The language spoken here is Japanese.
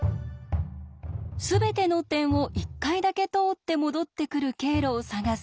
すべての点を１回だけ通って戻ってくる経路を探す